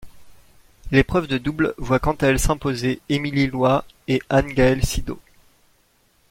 L'épreuve de double voit quant à elle s'imposer Émilie Loit et Anne-Gaëlle Sidot.